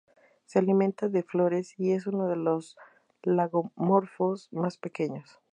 Se alimenta de flores y es uno de los lagomorfos más pequeños.